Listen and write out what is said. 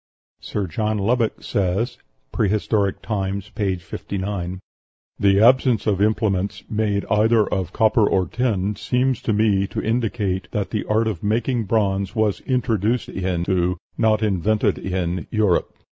Sir John Lubbock says ("Prehistoric Times," p. 59), "The absence of implements made either of copper or tin seems to me to indicate that the art of making bronze was introduced into, not invented in, Europe."